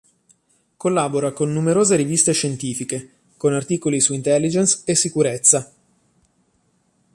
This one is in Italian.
Collabora con numerose riviste scientifiche, con articoli su intelligence e sicurezza.